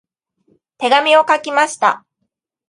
手紙を書きました。